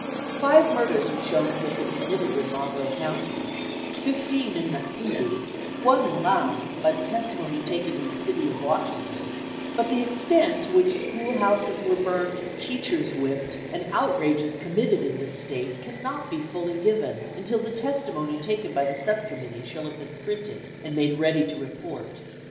Five murders are shown to have been committed in Monroe County, fifteen in Noxubee, one in Lowndes, by the testimony taken in the city of Washington; but the extent to which school houses were burnt, teachers whipped, and outrages committed in this State, cannot be fully given until the testimony taken by the sub committee shall have been printed and made ready to report."